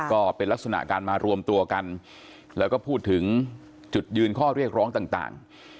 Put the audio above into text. ก็เป็นลักษณะการมารวมตัวกันแล้วก็พูดถึงจุดยืนข้อเรียกร้องต่าง